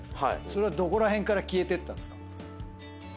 それはどこら辺から消えてったんですか？